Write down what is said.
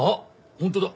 本当だ。